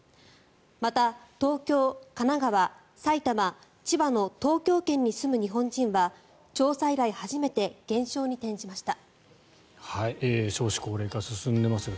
また東京、神奈川、埼玉、千葉の東京圏に住む日本人は調査以来初めて減少に転じました。